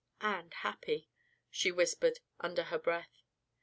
"And happy," she whispered under her breath.